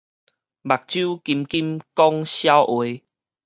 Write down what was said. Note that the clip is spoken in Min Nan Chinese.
目睭金金講痟話